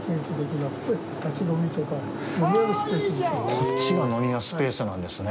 こっちが飲み屋スペースなんですね。